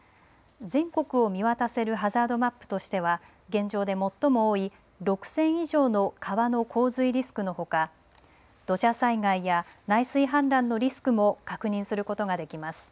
全国を見渡せるハザードマップとしては現状で最も多い６０００以上の川の洪水リスクのほか土砂災害や内水氾濫のリスクも確認することができます。